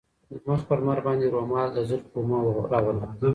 د مخ پر لمر باندي رومال د زلفو مه راوله